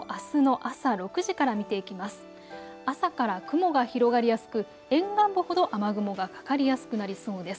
朝から雲が広がりやすく沿岸部ほど雨雲がかかりやすくなりそうです。